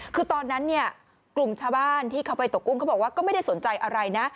คือตอนนั้นเนี่ยกลุ่มชาวบ้านที่เขาไปตกกุ้งเขาบอกว่าก็ไม่ได้สนใจอะไรนะ